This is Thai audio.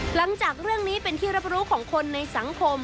หลังจากเรื่องนี้เป็นที่รับรู้ของคนในสังคม